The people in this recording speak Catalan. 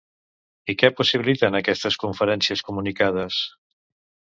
I què possibiliten aquestes conferències comunicades?